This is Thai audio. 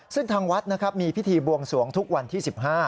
ซึ่งทางวัดนะครับมีพิธีบวงสวงทุกวันที่๑๕